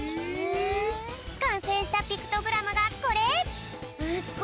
かんせいしたピクトグラムがこれ！